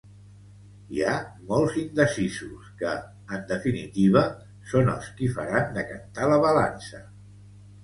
Hi ha molts indecisos que, en definitiva, són els qui faran decantar la balança.